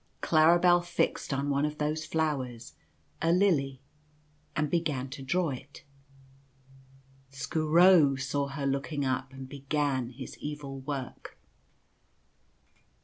Claribel fixed on one of these flowers, a lily, and began to draw it. Skooro saw her looking up and began his evil work.